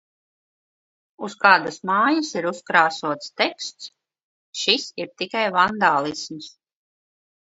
Uz kādas mājas ir uzkrāsots teksts "šis ir tikai vandālisms".